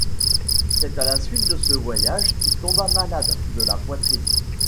C'est à la suite de ce voyage qu'il tomba malade, de la poitrine.